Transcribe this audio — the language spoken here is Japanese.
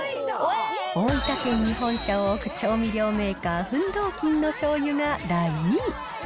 大分県に本社を置く調味料メーカー、フンドーキンの醤油が第２位。